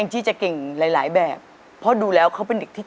เพราะว่าเพราะว่าเพราะว่าเพราะ